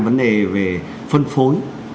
vấn đề về phân phối